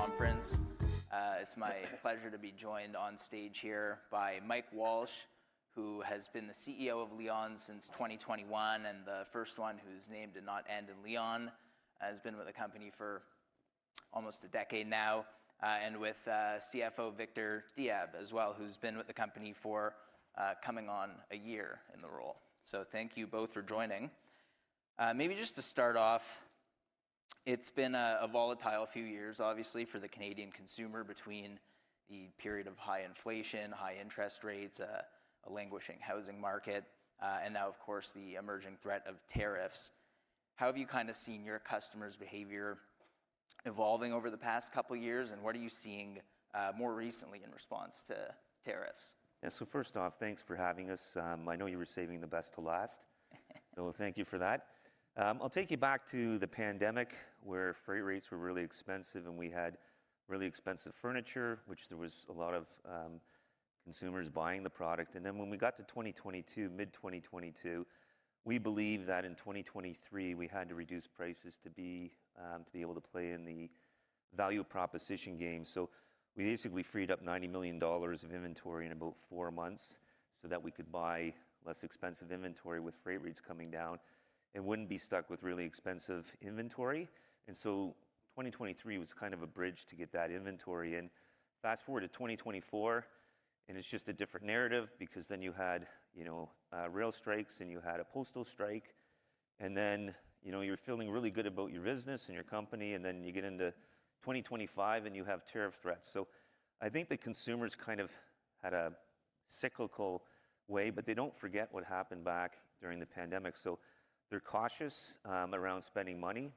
Conference. It's my pleasure to be joined on stage here by Mike Walsh, who has been the CEO of Leon's since 2021, and the first one whose name did not end in Leon. He's been with the company for almost a decade now, and with CFO Victor Diab as well, who's been with the company for coming on a year in the role. Thank you both for joining. Maybe just to start off, it's been a volatile few years, obviously, for the Canadian consumer between the period of high inflation, high interest rates, a languishing housing market, and now, of course, the emerging threat of tariffs. How have you kind of seen your customers' behavior evolving over the past couple of years, and what are you seeing more recently in response to tariffs? Yeah, so first off, thanks for having us. I know you were saving the best to last, so thank you for that. I'll take you back to the pandemic, where freight rates were really expensive and we had really expensive furniture, which there was a lot of, consumers buying the product. When we got to 2022, mid-2022, we believed that in 2023 we had to reduce prices to be, to be able to play in the value proposition game. We basically freed up 90 million dollars of inventory in about four months so that we could buy less expensive inventory with freight rates coming down and would not be stuck with really expensive inventory. 2023 was kind of a bridge to get that inventory in. Fast forward to 2024, and it's just a different narrative because then you had, you know, rail strikes and you had a postal strike, and then, you know, you're feeling really good about your business and your company, and then you get into 2025 and you have tariff threats. I think the consumers kind of had a cyclical way, but they don't forget what happened back during the pandemic. They're cautious, around spending money.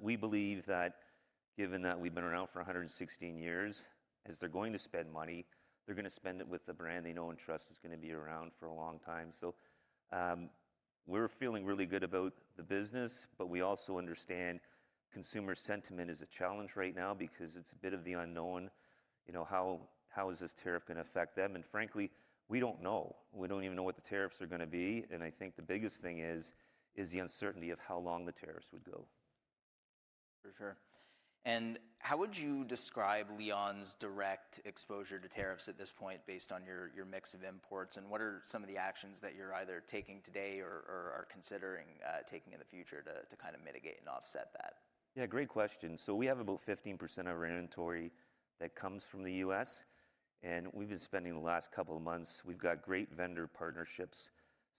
We believe that given that we've been around for 116 years, as they're going to spend money, they're going to spend it with the brand they know and trust is going to be around for a long time. We're feeling really good about the business, but we also understand consumer sentiment is a challenge right now because it's a bit of the unknown. You know, how is this tariff going to affect them? And frankly, we don't know. We don't even know what the tariffs are going to be. I think the biggest thing is the uncertainty of how long the tariffs would go. For sure. How would you describe Leon's direct exposure to tariffs at this point based on your mix of imports? What are some of the actions that you're either taking today or are considering taking in the future to kind of mitigate and offset that? Yeah, great question. We have about 15% of our inventory that comes from the U.S., and we've been spending the last couple of months. We've got great vendor partnerships,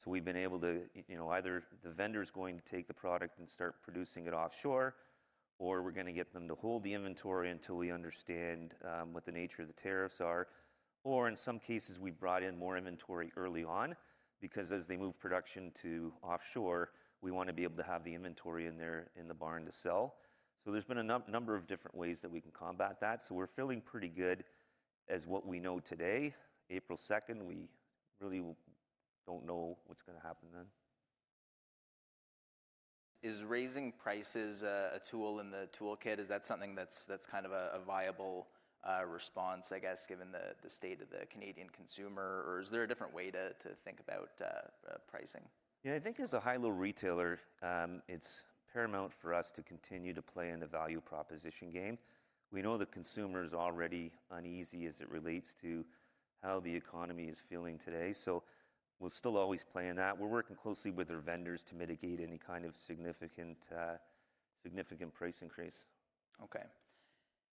so we've been able to, you know, either the vendor's going to take the product and start producing it offshore, or we're going to get them to hold the inventory until we understand what the nature of the tariffs are. In some cases, we brought in more inventory early on because as they move production to offshore, we want to be able to have the inventory in there, in the barn to sell. There have been a number of different ways that we can combat that. We're feeling pretty good as what we know today. April 2, we really don't know what's going to happen then. Is raising prices a tool in the toolkit? Is that something that's kind of a viable response, I guess, given the state of the Canadian consumer, or is there a different way to think about pricing? Yeah, I think as a high-low retailer, it's paramount for us to continue to play in the value proposition game. We know that consumers are already uneasy as it relates to how the economy is feeling today. We'll still always play in that. We're working closely with our vendors to mitigate any kind of significant, significant price increase. Okay.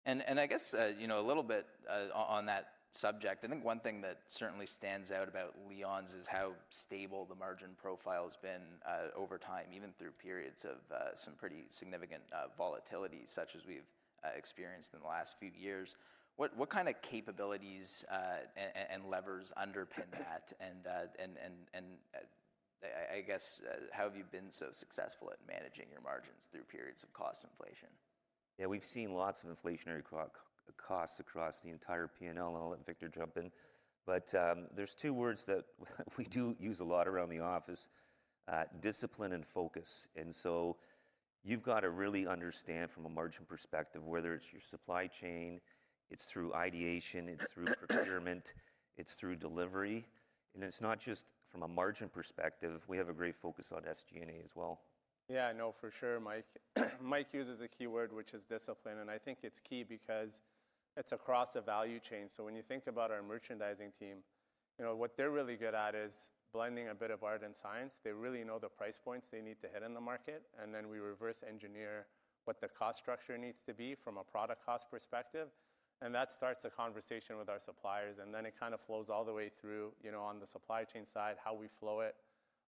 I guess, you know, a little bit on that subject, I think one thing that certainly stands out about Leon's is how stable the margin profile has been over time, even through periods of some pretty significant volatility, such as we've experienced in the last few years. What kind of capabilities and levers underpin that? I guess, how have you been so successful at managing your margins through periods of cost inflation? Yeah, we've seen lots of inflationary costs across the entire P&L and I'll let Victor jump in. There are two words that we do use a lot around the office, discipline and focus. You have to really understand from a margin perspective, whether it's your supply chain, it's through ideation, it's through procurement, it's through delivery. It's not just from a margin perspective. We have a great focus on SG&A as well. Yeah, I know for sure. Mike, Mike uses a key word, which is discipline. I think it's key because it's across a value chain. When you think about our merchandising team, you know, what they're really good at is blending a bit of art and science. They really know the price points they need to hit in the market. We reverse engineer what the cost structure needs to be from a product cost perspective. That starts a conversation with our suppliers. It kind of flows all the way through, you know, on the supply chain side, how we flow it,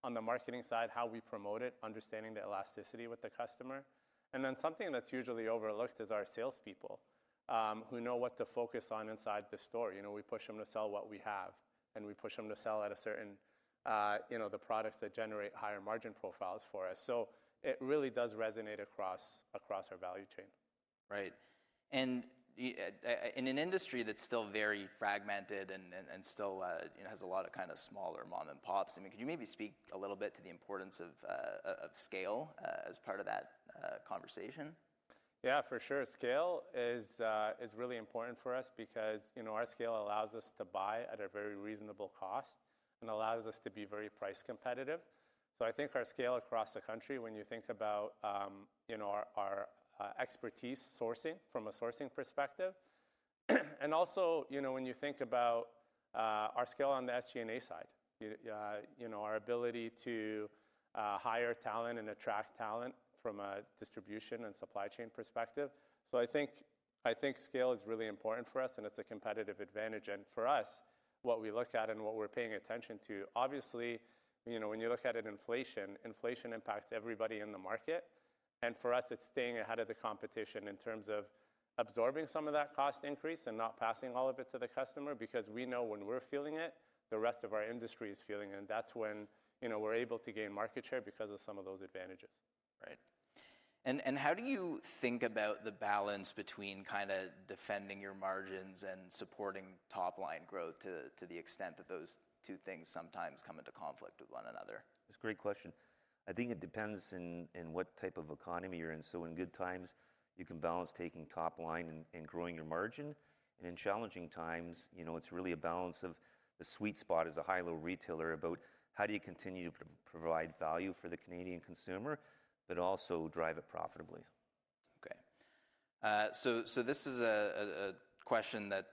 on the marketing side, how we promote it, understanding the elasticity with the customer. Something that's usually overlooked is our salespeople, who know what to focus on inside the store. You know, we push them to sell what we have, and we push them to sell at a certain, you know, the products that generate higher margin profiles for us. It really does resonate across, across our value chain. Right. In an industry that's still very fragmented and still, you know, has a lot of kind of smaller mom-and-pops, I mean, could you maybe speak a little bit to the importance of scale, as part of that conversation? Yeah, for sure. Scale is really important for us because, you know, our scale allows us to buy at a very reasonable cost and allows us to be very price competitive. I think our scale across the country, when you think about, you know, our expertise sourcing from a sourcing perspective, and also, you know, when you think about our scale on the SG&A side, our ability to hire talent and attract talent from a distribution and supply chain perspective. I think scale is really important for us, and it's a competitive advantage. For us, what we look at and what we're paying attention to, obviously, you know, when you look at inflation, inflation impacts everybody in the market. For us, it's staying ahead of the competition in terms of absorbing some of that cost increase and not passing all of it to the customer, because we know when we're feeling it, the rest of our industry is feeling it. That's when, you know, we're able to gain market share because of some of those advantages. Right. How do you think about the balance between kind of defending your margins and supporting top-line growth to the extent that those two things sometimes come into conflict with one another? That's a great question. I think it depends in what type of economy you're in. In good times, you can balance taking top-line and growing your margin. In challenging times, you know, it's really a balance of the sweet spot as a high-low retailer about how do you continue to provide value for the Canadian consumer, but also drive it profitably. Okay, this is a question that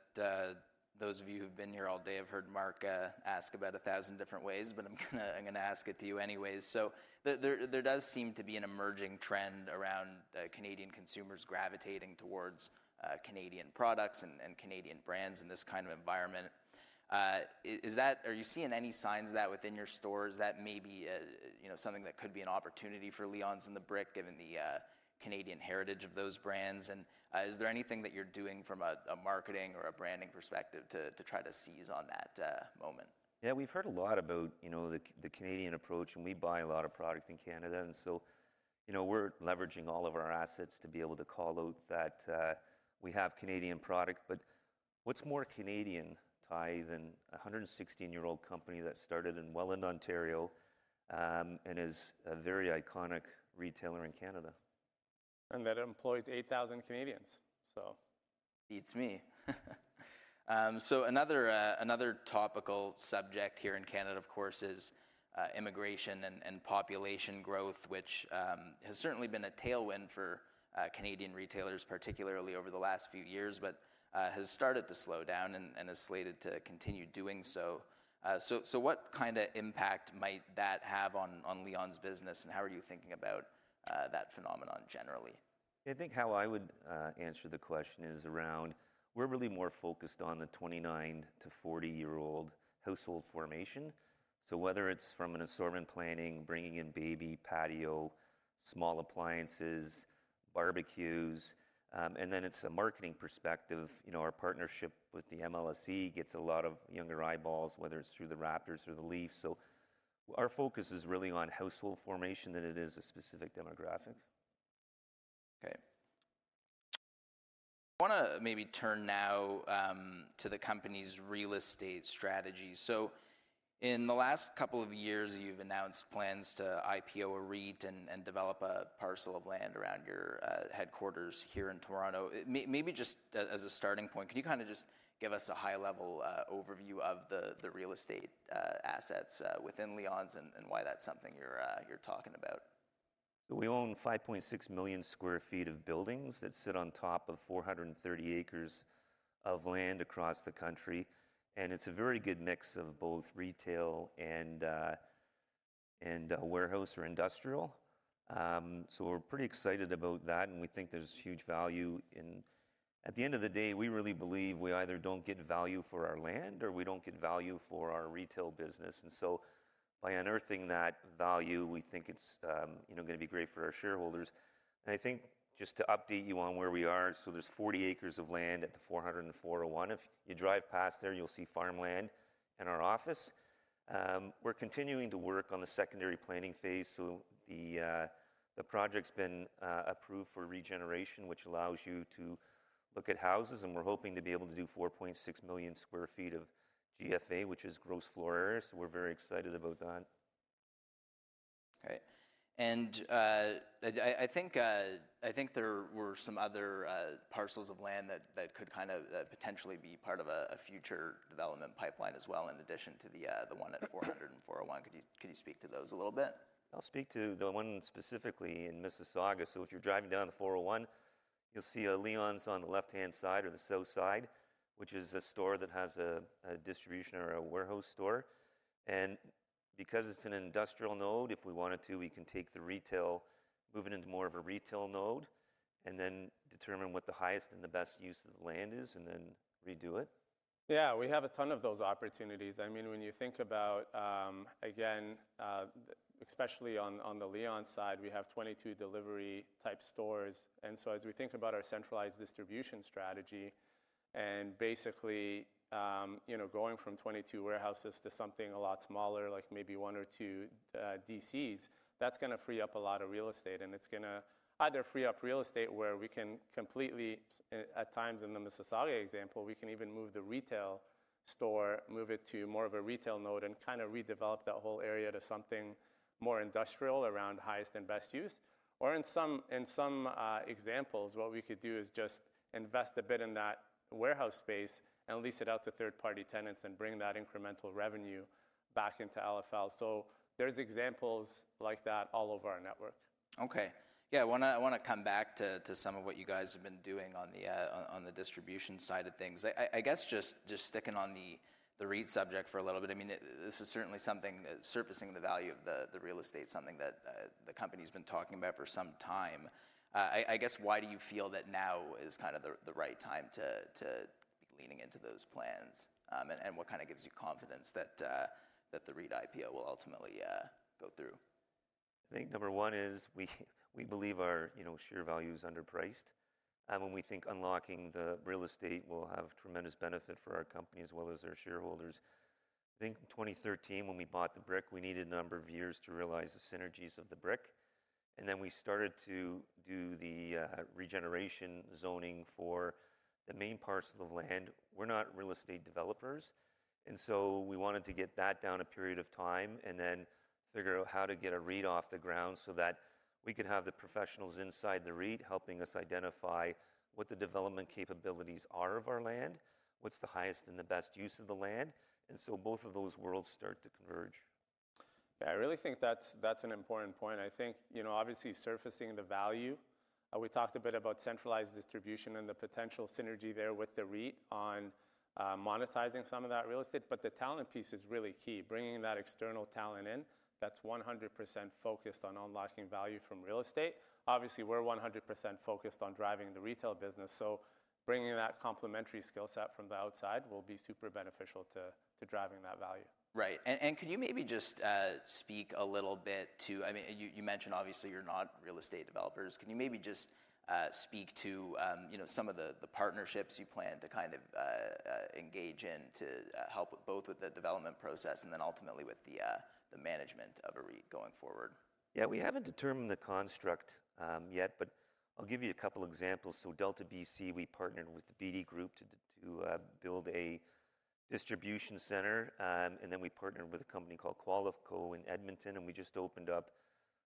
those of you who've been here all day have heard Mark ask about a thousand different ways, but I'm going to ask it to you anyways. There does seem to be an emerging trend around Canadian consumers gravitating towards Canadian products and Canadian brands in this kind of environment. Is that, are you seeing any signs of that within your stores? That may be, you know, something that could be an opportunity for Leon's and The Brick, given the Canadian heritage of those brands. Is there anything that you're doing from a marketing or a branding perspective to try to seize on that moment? Yeah, we've heard a lot about, you know, the Canadian approach, and we buy a lot of product in Canada. And so, you know, we're leveraging all of our assets to be able to call out that we have Canadian product, but what's more Canadian tie than a 116-year-old company that started in Welland, Ontario, and is a very iconic retailer in Canada? That employs 8,000 Canadians, so. It's me. Another topical subject here in Canada, of course, is immigration and population growth, which has certainly been a tailwind for Canadian retailers, particularly over the last few years, but has started to slow down and has slated to continue doing so. What kind of impact might that have on Leon's business, and how are you thinking about that phenomenon generally? I think how I would answer the question is around, we're really more focused on the 29-40-year-old household formation. Whether it's from an assortment planning, bringing in baby, patio, small appliances, barbecues, and then it's a marketing perspective. You know, our partnership with MLSE gets a lot of younger eyeballs, whether it's through the Raptors or the Leafs. Our focus is really on household formation than it is a specific demographic. Okay. I want to maybe turn now to the company's real estate strategy. In the last couple of years, you've announced plans to IPO a REIT and develop a parcel of land around your headquarters here in Toronto. Maybe just as a starting point, could you kind of just give us a high-level overview of the real estate assets within Leon's and why that's something you're talking about? We own 5.6 million sq ft of buildings that sit on top of 430 acres of land across the country. It is a very good mix of both retail and warehouse or industrial. We are pretty excited about that, and we think there is huge value in, at the end of the day, we really believe we either do not get value for our land or we do not get value for our retail business. By unearthing that value, we think it is going to be great for our shareholders. I think just to update you on where we are, there are 40 acres of land at the 400/401. If you drive past there, you will see farmland and our office. We are continuing to work on the secondary planning phase. The project's been approved for regeneration, which allows you to look at houses, and we're hoping to be able to do 4.6 million sq ft of GFA, which is gross floor area. We're very excited about that. All right. I think there were some other parcels of land that could kind of potentially be part of a future development pipeline as well, in addition to the one at 400/401. Could you speak to those a little bit? I'll speak to the one specifically in Mississauga. If you're driving down the 401, you'll see a Leon's on the left-hand side or the south side, which is a store that has a distribution or a warehouse store. Because it's an industrial node, if we wanted to, we can take the retail, move it into more of a retail node, and then determine what the highest and the best use of the land is, and then redo it. Yeah, we have a ton of those opportunities. I mean, when you think about, again, especially on the Leon's side, we have 22 delivery-type stores. As we think about our centralized distribution strategy, and basically, you know, going from 22 warehouses to something a lot smaller, like maybe one or two DCs, that's going to free up a lot of real estate. It's going to either free up real estate where we can completely, at times in the Mississauga example, we can even move the retail store, move it to more of a retail node and kind of redevelop that whole area to something more industrial around highest and best use. In some examples, what we could do is just invest a bit in that warehouse space and lease it out to third-party tenants and bring that incremental revenue back into LFL. There are examples like that all over our network. Okay. Yeah, I want to, I want to come back to, to some of what you guys have been doing on the, on the distribution side of things. I guess just, just sticking on the, the REIT subject for a little bit, I mean, this is certainly something that surfacing the value of the, the real estate is something that the company's been talking about for some time. I guess, why do you feel that now is kind of the, the right time to, to be leaning into those plans? And what kind of gives you confidence that the REIT IPO will ultimately go through? I think number one is we believe our, you know, share value is underpriced. When we think unlocking the real estate will have tremendous benefit for our company as well as our shareholders. I think in 2013, when we bought The Brick, we needed a number of years to realize the synergies of The Brick. Then we started to do the regeneration zoning for the main parcel of land. We're not real estate developers. We wanted to get that down a period of time and then figure out how to get a REIT off the ground so that we could have the professionals inside the REIT helping us identify what the development capabilities are of our land, what's the highest and the best use of the land. Both of those worlds start to converge. Yeah, I really think that's an important point. I think, you know, obviously surfacing the value. We talked a bit about centralized distribution and the potential synergy there with the REIT on monetizing some of that real estate. The talent piece is really key. Bringing that external talent in, that's 100% focused on unlocking value from real estate. Obviously, we're 100% focused on driving the retail business. Bringing that complementary skill set from the outside will be super beneficial to driving that value. Right. Could you maybe just speak a little bit to, I mean, you mentioned obviously you're not real estate developers. Can you maybe just speak to, you know, some of the partnerships you plan to kind of engage in to help both with the development process and then ultimately with the management of a REIT going forward? Yeah, we haven't determined the construct yet, but I'll give you a couple of examples. Delta, British Columbia, we partnered with the Beedie Group to build a distribution center. Then we partnered with a company called Qualico in Edmonton, and we just opened up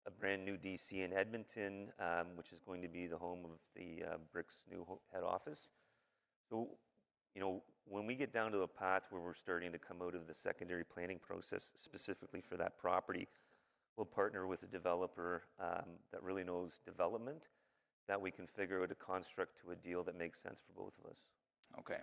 a brand new DC in Edmonton, which is going to be the home of The Brick's new head office. You know, when we get down to the path where we're starting to come out of the secondary planning process specifically for that property, we'll partner with a developer that really knows development that we can figure out a construct to a deal that makes sense for both of us. Okay.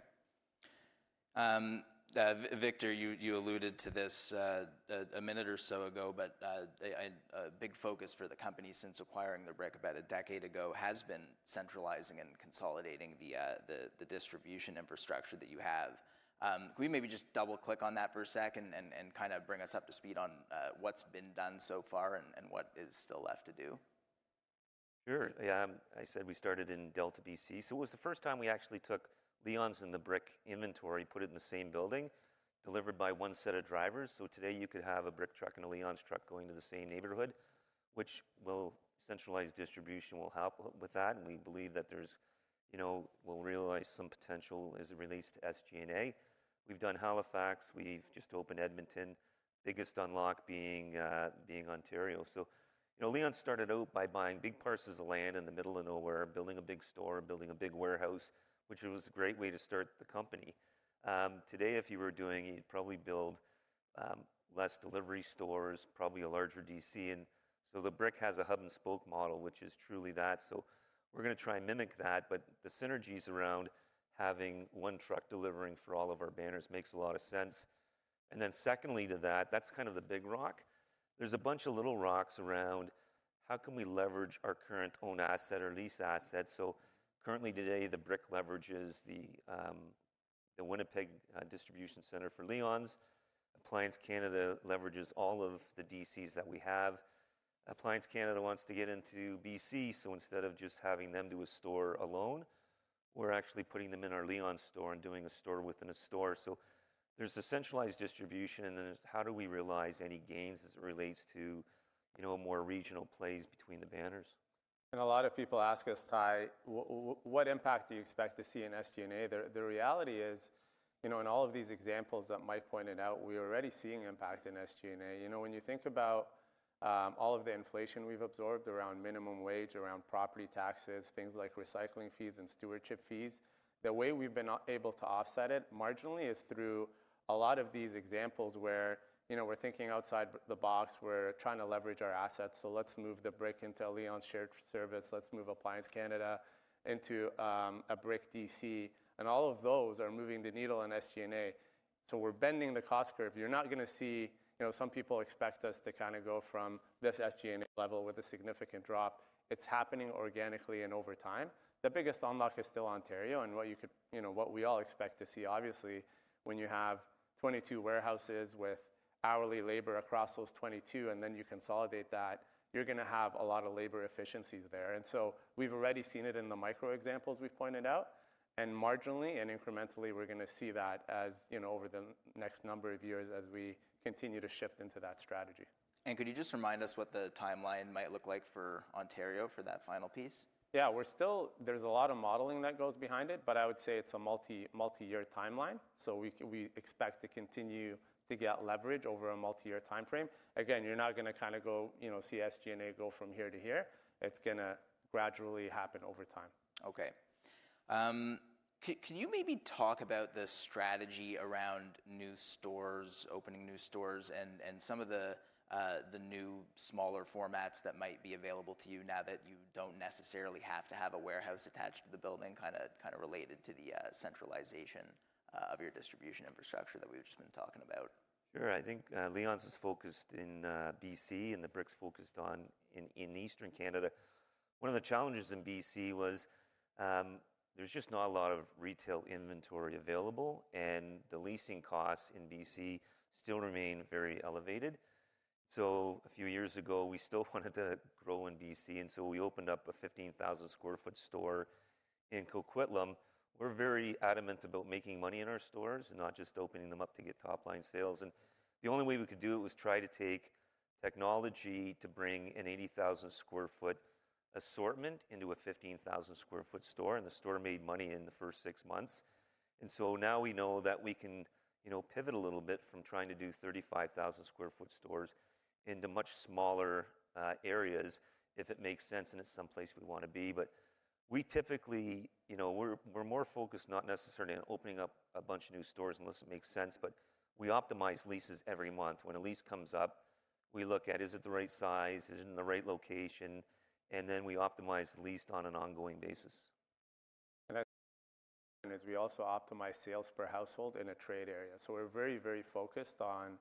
Victor, you alluded to this a minute or so ago, but I, I, a big focus for the company since acquiring The Brick about a decade ago has been centralizing and consolidating the distribution infrastructure that you have. Could we maybe just double-click on that for a second and kind of bring us up to speed on what's been done so far and what is still left to do? Sure. Yeah, I said we started in Delta, British Columbia. It was the first time we actually took Leon's and The Brick inventory, put it in the same building, delivered by one set of drivers. Today you could have a Brick truck and a Leon's truck going to the same neighborhood, which centralized distribution will help with. We believe that there's, you know, we'll realize some potential as it relates to SG&A. We've done Halifax. We've just opened Edmonton, biggest unlock being Ontario. Leon's started out by buying big parcels of land in the middle of nowhere, building a big store, building a big warehouse, which was a great way to start the company. Today, if you were doing it, you'd probably build fewer delivery stores, probably a larger DC. The Brick has a hub-and-spoke model, which is truly that. We are going to try and mimic that, but the synergies around having one truck delivering for all of our banners makes a lot of sense. Secondly to that, that is kind of the big rock. There are a bunch of little rocks around how can we leverage our current owned asset or leased assets. Currently today, The Brick leverages the Winnipeg distribution center for Leon's. Appliance Canada leverages all of the DCs that we have. Appliance Canada wants to get into BC. Instead of just having them do a store alone, we are actually putting them in our Leon's store and doing a store within a store. There is a centralized distribution. How do we realize any gains as it relates to, you know, a more regional place between the banners? A lot of people ask us, Ty, what impact do you expect to see in SG&A? The reality is, you know, in all of these examples that Mike pointed out, we are already seeing impact in SG&A. You know, when you think about all of the inflation we've absorbed around minimum wage, around property taxes, things like recycling fees and stewardship fees, the way we've been able to offset it marginally is through a lot of these examples where, you know, we're thinking outside the box. We're trying to leverage our assets. Let's move The Brick into a Leon's shared service. Let's move Appliance Canada into a Brick DC. All of those are moving the needle on SG&A. We're bending the cost curve. You're not going to see, you know, some people expect us to kind of go from this SG&A level with a significant drop. It's happening organically and over time. The biggest unlock is still Ontario. What you could, you know, what we all expect to see, obviously, when you have 22 warehouses with hourly labor across those 22, and then you consolidate that, you're going to have a lot of labor efficiencies there. We've already seen it in the micro examples we pointed out. Marginally and incrementally, we're going to see that as, you know, over the next number of years as we continue to shift into that strategy. Could you just remind us what the timeline might look like for Ontario for that final piece? Yeah, we're still, there's a lot of modeling that goes behind it, but I would say it's a multi, multi-year timeline. We expect to continue to get leverage over a multi-year timeframe. Again, you're not going to kind of go, you know, see SG&A go from here to here. It's going to gradually happen over time. Okay. Can you maybe talk about the strategy around new stores, opening new stores and some of the new smaller formats that might be available to you now that you do not necessarily have to have a warehouse attached to the building, kind of related to the centralization of your distribution infrastructure that we have just been talking about? Sure. I think Leon's is focused in BC and The Brick's focused on in, in Eastern Canada. One of the challenges in BC was, there's just not a lot of retail inventory available and the leasing costs in BC still remain very elevated. A few years ago, we still wanted to grow in BC. We opened up a 15,000 sq ft store in Coquitlam. We're very adamant about making money in our stores and not just opening them up to get top-line sales. The only way we could do it was try to take technology to bring an 80,000 sq ft assortment into a 15,000 sq ft store. The store made money in the first six months. Now we know that we can, you know, pivot a little bit from trying to do 35,000 sq ft stores into much smaller areas if it makes sense and it's someplace we want to be. We typically, you know, we're more focused not necessarily on opening up a bunch of new stores unless it makes sense, but we optimize leases every month. When a lease comes up, we look at, is it the right size? Is it in the right location? Then we optimize lease on an ongoing basis. As we also optimize sales per household in a trade area, we are very, very focused on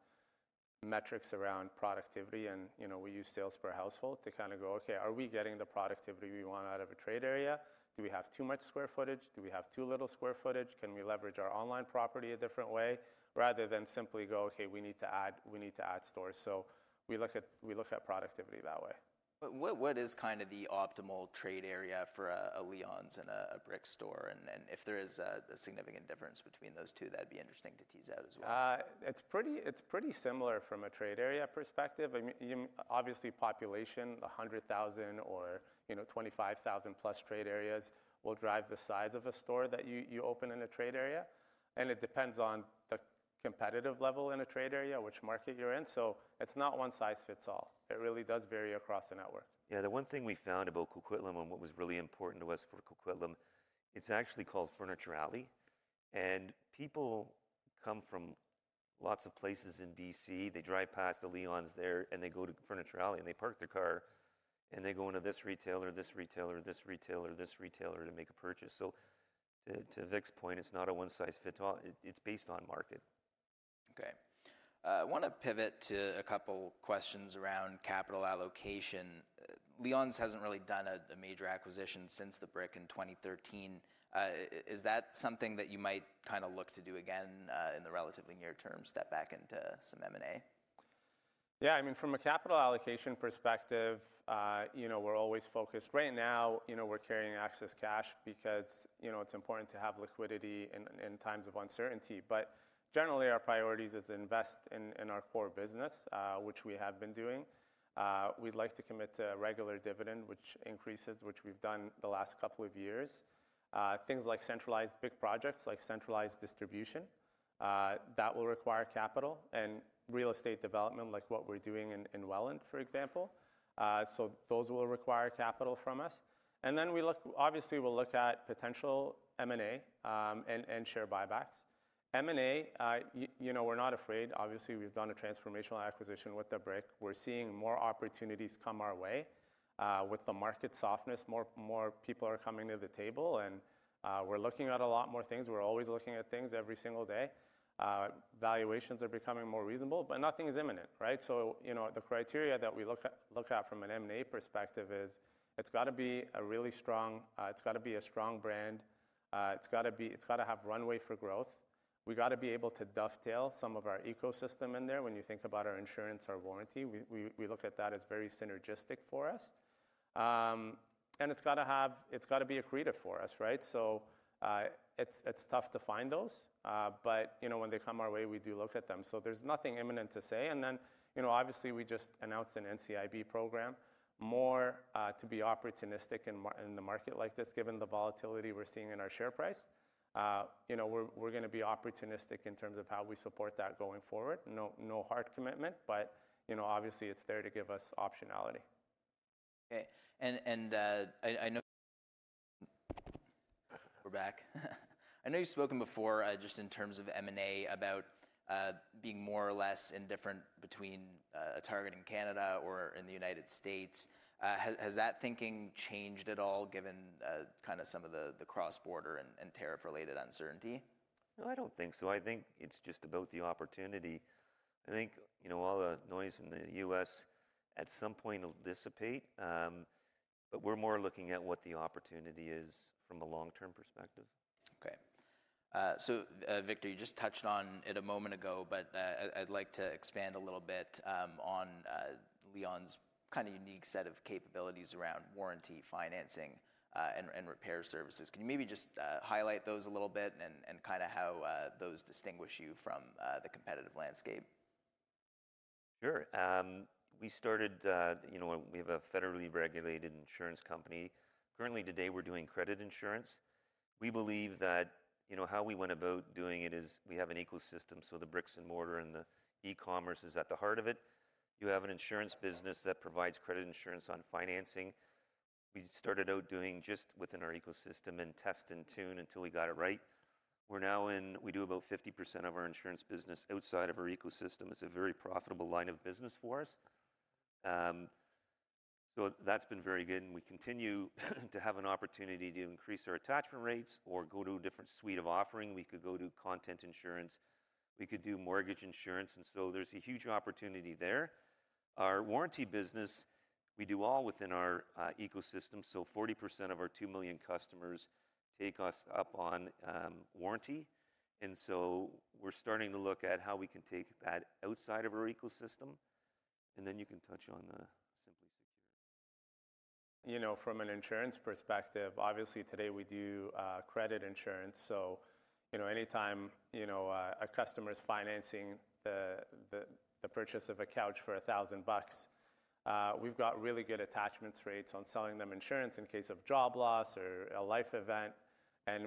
metrics around productivity. You know, we use sales per household to kind of go, okay, are we getting the productivity we want out of a trade area? Do we have too much square footage? Do we have too little square footage? Can we leverage our online property a different way rather than simply go, okay, we need to add, we need to add stores? We look at productivity that way. What is kind of the optimal trade area for a Leon's and a Brick store? If there is a significant difference between those two, that would be interesting to tease out as well. It's pretty, it's pretty similar from a trade area perspective. I mean, you obviously, population, 100,000 or, you know, 25,000 plus trade areas will drive the size of a store that you open in a trade area. It depends on the competitive level in a trade area, which market you're in. It is not one size fits all. It really does vary across the network. Yeah. The one thing we found about Coquitlam and what was really important to us for Coquitlam, it's actually called Furniture Alley. People come from lots of places in BC. They drive past the Leon's there and they go to Furniture Alley and they park their car and they go into this retailer, this retailer, this retailer, this retailer to make a purchase. To Vic's point, it's not a one size fits all. It's based on market. Okay. I want to pivot to a couple questions around capital allocation. Leon's hasn't really done a major acquisition since The Brick in 2013. Is that something that you might kind of look to do again, in the relatively near term, step back into some M&A? Yeah. I mean, from a capital allocation perspective, you know, we're always focused right now, you know, we're carrying excess cash because, you know, it's important to have liquidity in, in times of uncertainty. Generally our priorities is to invest in, in our core business, which we have been doing. We'd like to commit to a regular dividend, which increases, which we've done the last couple of years. Things like big projects, like centralized distribution, that will require capital and real estate development, like what we're doing in, in Welland, for example. Those will require capital from us. Obviously we'll look at potential M&A, and share buybacks. M&A, you, you know, we're not afraid. Obviously we've done a transformational acquisition with The Brick. We're seeing more opportunities come our way, with the market softness, more people are coming to the table and we're looking at a lot more things. We're always looking at things every single day. Valuations are becoming more reasonable, but nothing is imminent, right? You know, the criteria that we look at from an M&A perspective is it's got to be a really strong, it's got to be a strong brand. It's got to have runway for growth. We got to be able to dovetail some of our ecosystem in there. When you think about our insurance, our warranty, we look at that as very synergistic for us. It's got to be, it's got to be accretive for us, right? It's tough to find those. But, you know, when they come our way, we do look at them. There is nothing imminent to say. You know, obviously we just announced an NCIB program more to be opportunistic in the market like this, given the volatility we are seeing in our share price. You know, we are going to be opportunistic in terms of how we support that going forward. No hard commitment, but, you know, obviously it is there to give us optionality. Okay. I know we're back. I know you've spoken before, just in terms of M&A about being more or less indifferent between a target in Canada or in the United States. Has that thinking changed at all given kind of some of the cross border and tariff related uncertainty? No, I don't think so. I think it's just about the opportunity. I think, you know, all the noise in the U.S. at some point will dissipate. We're more looking at what the opportunity is from a long-term perspective. Okay. Victor, you just touched on it a moment ago, but I'd like to expand a little bit on Leon's kind of unique set of capabilities around warranty financing and repair services. Can you maybe just highlight those a little bit and kind of how those distinguish you from the competitive landscape? Sure. We started, you know, we have a federally regulated insurance company. Currently today we're doing credit insurance. We believe that, you know, how we went about doing it is we have an ecosystem. The bricks and mortar and the e-commerce is at the heart of it. You have an insurance business that provides credit insurance on financing. We started out doing just within our ecosystem and test and tune until we got it right. We're now in, we do about 50% of our insurance business outside of our ecosystem. It's a very profitable line of business for us. That has been very good. We continue to have an opportunity to increase our attachment rates or go to a different suite of offering. We could go to content insurance. We could do mortgage insurance. There is a huge opportunity there. Our warranty business, we do all within our ecosystem. Forty percent of our 2 million customers take us up on warranty. We are starting to look at how we can take that outside of our ecosystem. You can touch on the Simply Secure. You know, from an insurance perspective, obviously today we do credit insurance. You know, anytime a customer's financing the purchase of a couch for $1,000, we've got really good attachment rates on selling them insurance in case of job loss or a life event.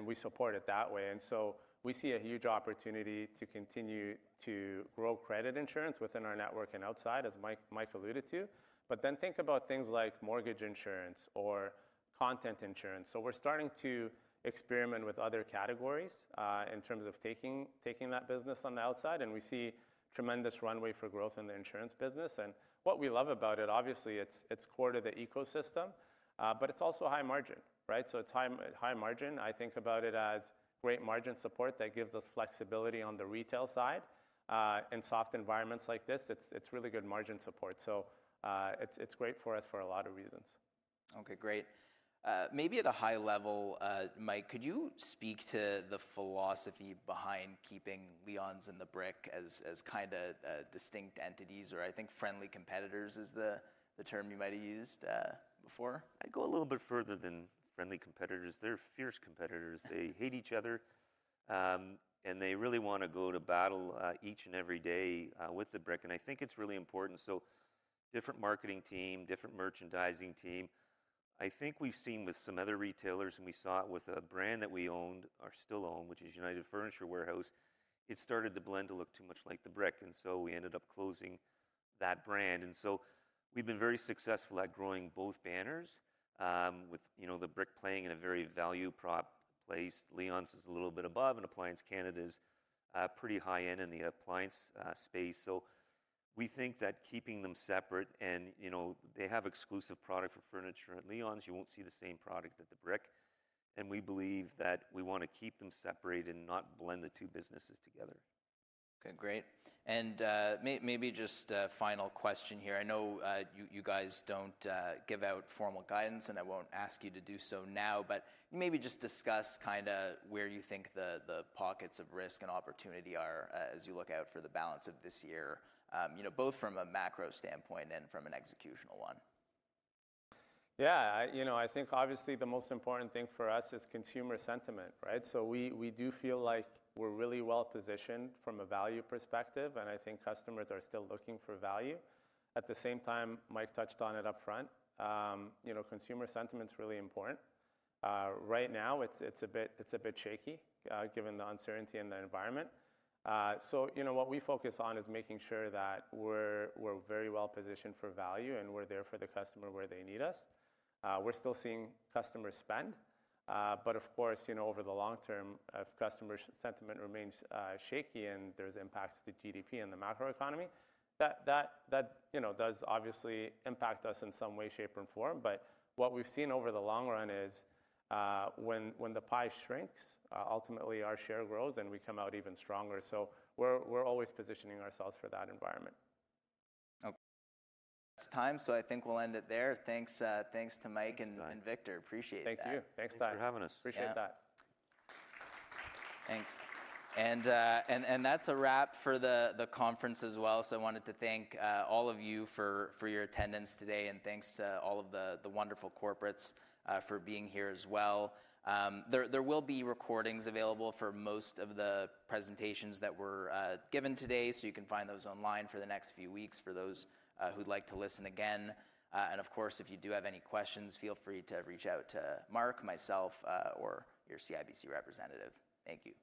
We support it that way. We see a huge opportunity to continue to grow credit insurance within our network and outside, as Mike alluded to. You know, think about things like mortgage insurance or content insurance. We're starting to experiment with other categories, in terms of taking that business on the outside. We see tremendous runway for growth in the insurance business. What we love about it, obviously it's core to the ecosystem, but it's also high margin, right? It's high, high margin. I think about it as great margin support that gives us flexibility on the retail side, and soft environments like this. It's really good margin support. It's great for us for a lot of reasons. Okay, great. Maybe at a high level, Mike, could you speak to the philosophy behind keeping Leon's and The Brick as, as kind of, distinct entities or I think friendly competitors is the, the term you might've used before? I go a little bit further than friendly competitors. They're fierce competitors. They hate each other. They really want to go to battle, each and every day, with The Brick. I think it's really important. Different marketing team, different merchandising team. I think we've seen with some other retailers and we saw it with a brand that we owned, or still own, which is United Furniture Warehouse. It started to blend, to look too much like The Brick. We ended up closing that brand. We've been very successful at growing both banners, with, you know, The Brick playing in a very value prop place. Leon's is a little bit above and Appliance Canada's pretty high end in the appliance space. We think that keeping them separate and, you know, they have exclusive product for furniture and Leon's, you won't see the same product at The Brick. We believe that we want to keep them separate and not blend the two businesses together. Okay, great. Maybe just a final question here. I know you guys don't give out formal guidance and I won't ask you to do so now, but maybe just discuss kind of where you think the pockets of risk and opportunity are, as you look out for the balance of this year, you know, both from a macro standpoint and from an executional one. Yeah. I, you know, I think obviously the most important thing for us is consumer sentiment, right? We do feel like we're really well positioned from a value perspective. I think customers are still looking for value. At the same time, Mike touched on it upfront. You know, consumer sentiment's really important. Right now it's a bit, it's a bit shaky, given the uncertainty in the environment. You know, what we focus on is making sure that we're very well positioned for value and we're there for the customer where they need us. We're still seeing customers spend. Of course, you know, over the long term, if customer sentiment remains shaky and there's impacts to GDP and the macro economy, that does obviously impact us in some way, shape, or form. What we've seen over the long run is, when the pie shrinks, ultimately our share grows and we come out even stronger. We're always positioning ourselves for that environment. Okay. It's time. I think we'll end it there. Thanks, thanks to Mike and Victor. Appreciate that. Thank you. Thanks for having us. Appreciate that. Thanks. That's a wrap for the conference as well. I wanted to thank all of you for your attendance today. Thanks to all of the wonderful corporates for being here as well. There will be recordings available for most of the presentations that were given today. You can find those online for the next few weeks for those who'd like to listen again. Of course, if you do have any questions, feel free to reach out to Mark, myself, or your CIBC representative. Thank you.